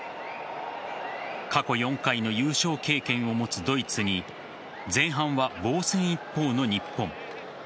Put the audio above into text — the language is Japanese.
過去４回の優勝経験を持つドイツに前半は防戦一方の日本。